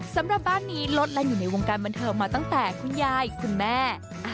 สำหรับบ้านนี้ลดและอยู่ในวงการบันเทิงมาตั้งแต่คุณยายคุณแม่